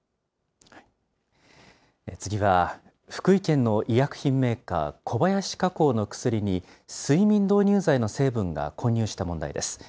次は、福井県の医薬品メーカー、小林化工の薬に、睡眠導入剤の成分が混入した問題です。